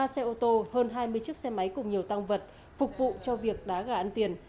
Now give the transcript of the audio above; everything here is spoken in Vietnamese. ba xe ô tô hơn hai mươi chiếc xe máy cùng nhiều tăng vật phục vụ cho việc đá gà ăn tiền